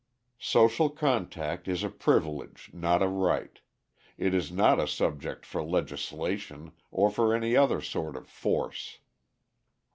Social contact is a privilege, not a right; it is not a subject for legislation or for any other sort of force.